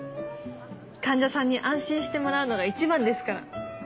患者さんに安心してもらうのがいちばんですから。